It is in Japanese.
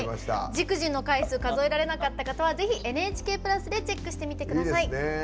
「ＪＩＫＪＩＮ」の回数数えられなかった方はぜひ「ＮＨＫプラス」でチェックしてみてください。